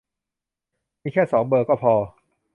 มีแค่สองเบอร์ก็พอ